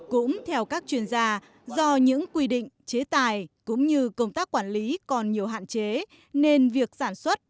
cũng theo các chuyên gia do những quy định chế tài cũng như công tác quản lý còn nhiều hạn chế nên việc sản xuất